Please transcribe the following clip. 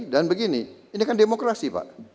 dan begini ini kan demokrasi pak